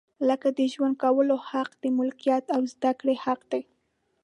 لکه د ژوند کولو حق، د ملکیت او زده کړې حق دی.